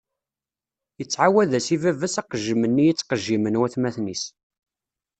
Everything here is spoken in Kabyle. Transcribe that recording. Ittɛawad-as i baba-s aqejjem-nni i ttqejjimen watmaten-is.